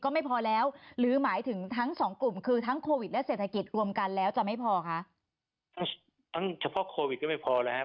ก็ไม่พอแล้วหรือหมายถึงทั้งสองกลุ่มคือทั้งโควิทแล้วเศรษฐกิจรวมกันแล้วจะ